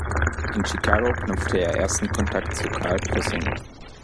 In Chicago knüpfte er ersten Kontakt zu Carl Prüssing.